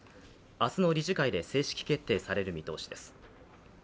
明日の理事会で正式決定される見通しです。